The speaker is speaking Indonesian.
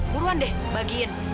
buruan deh bagiin